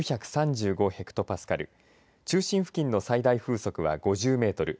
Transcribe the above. ヘクトパスカル中心付近の最大風速は５０メートル